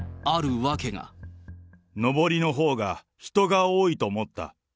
上りのほうが人が多いと思った。